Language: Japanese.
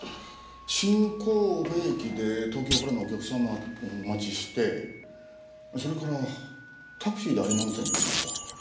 新神戸駅で東京からのお客様をお待ちしてそれからタクシーで有馬温泉に行きました。